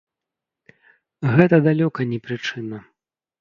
Гэта далёка не прычына.